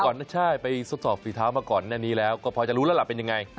ใช่ไปทดสอบฝีเท้ามาก่อนหน้านี้แล้วก็พอจะรู้แล้วล่ะเป็นยังไง